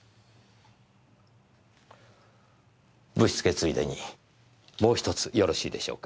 ぶしつけついでにもう１つよろしいでしょうか？